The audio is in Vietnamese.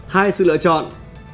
hai sự lựa chọn